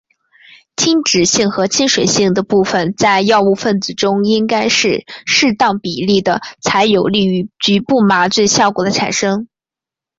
亲脂性和亲水性的部分在药物分子中应该是适当比例的才有利于局部麻醉效果的产生。